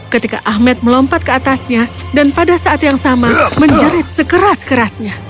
ketika ahmed melompat ke atasnya dan pada saat yang sama menjerit sekeras kerasnya